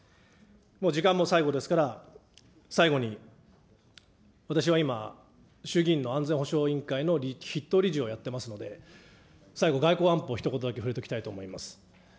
もう時間も最後ですから、最後に、私は今、衆議院の安全保障委員会の筆頭理事をやっていますので、最後、外交安保、ひと言だけ触れておきたいと思います。